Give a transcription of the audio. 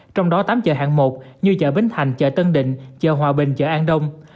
trong đó tám chợ hạng một như chợ bến thành chợ tân định chợ hòa bình chợ an đông